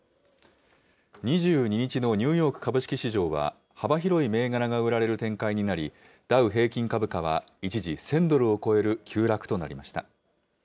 ２２日のニューヨーク株式市場は、幅広い銘柄が売られる展開になり、ダウ平均株価は一時、１０００ドルを超える急落となりました。